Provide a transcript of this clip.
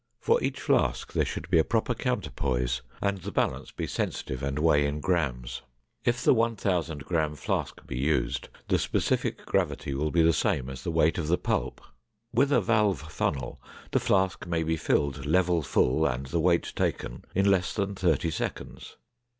For each flask there should be a proper counterpoise, and the balance be sensitive and weigh in grams. If the 1000 gram flask be used, the specific gravity will be the same as the weight of the pulp. With a valve funnel the flask may be filled level full and the weight taken in less than thirty seconds.